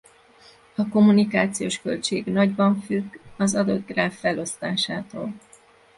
A kommunikációs költség nagyban függ az adott gráf felosztásától.